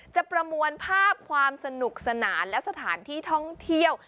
ประมวลภาพความสนุกสนานและสถานที่ท่องเที่ยว